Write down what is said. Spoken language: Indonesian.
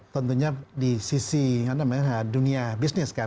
tentunya di sisi dunia bisnis kan